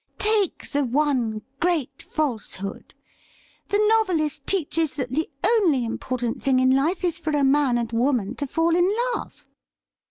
Take the one great falsehood — the novelist teaches that the only important thing in life is for a man and woman to fall in love.'